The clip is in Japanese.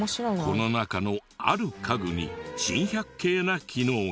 この中のある家具に珍百景な機能が。